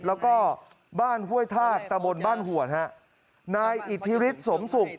แล้วก็บ้านห้วยทากตะบนบ้านหวนฮะนายอิทธิฤทธิสมศุกร์